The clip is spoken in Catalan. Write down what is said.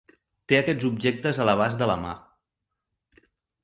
Té aquests objectes a l'abast de la mà.